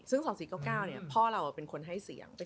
ซึ่ง๒๔๙๙พ่อเราเป็นคนให้เสียง